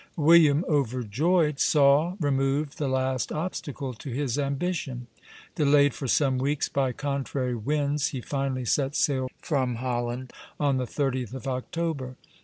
William, overjoyed, saw removed the last obstacle to his ambition. Delayed for some weeks by contrary winds, he finally set sail from Holland on the 30th of October.